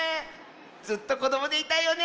ずっとこどもでいたいよね。